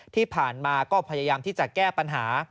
ที่ผ่านมาก็พยายามที่จะแก้ปัญหา